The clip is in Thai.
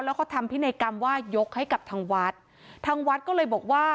แล้วก็ทำพินัยกรรมว่ายกให้กับทางวัดทางวัดก็เลยบอกว่า